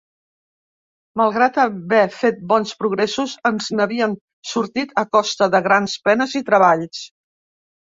Malgrat haver fet bons progressos, ens n'havíem sortit a costa de grans penes i treballs.